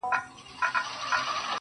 د محبت دار و مدار کي خدايه .